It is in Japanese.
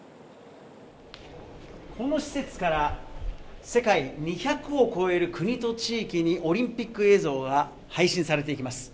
この施設から、世界２００を超える国と地域にオリンピック映像が配信されていきます。